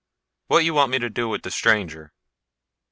What you want me to do with the stranger?"